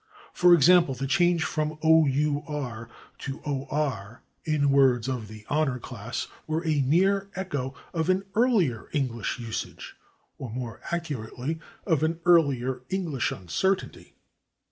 For example, the change from / our/ to / or/ in words of the /honor/ class was a mere echo of an earlier English usage, or, more accurately, of an earlier English uncertainty.